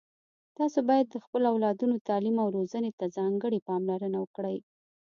تاسو باید د خپلو اولادونو تعلیم او روزنې ته ځانګړي پاملرنه وکړئ